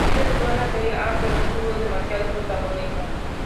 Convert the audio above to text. Aquí debutó en la Serie A, pero no tuvo demasiado protagonismo.